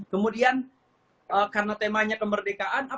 kemudian karena temanya kemerdekaan